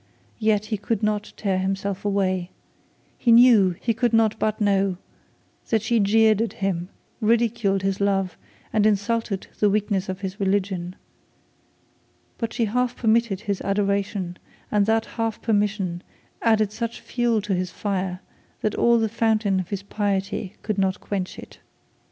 Yet he could not tear himself away. He knew, he could not but know, that weakness of his religion. But she half permitted his adoration, and that half permission added such fuel to his fire that all the fountain of piety could not quench it.